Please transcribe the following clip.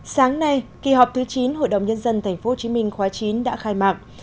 sáng nay kỳ họp thứ chín hội đồng nhân dân tp hcm khóa chín đã khai mạc